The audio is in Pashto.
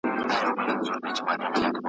که په دې تعمیر کي هم عدالت نه وي ,